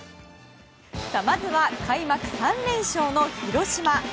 まずは開幕３連勝の広島。